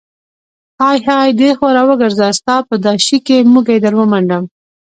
های های دې خوا راوګرزه، ستا په دا شي کې موږی در ومنډم.